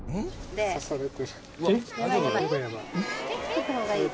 取った方がいい。